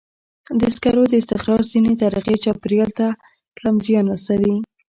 د سکرو د استخراج ځینې طریقې چاپېریال ته کم زیان رسوي.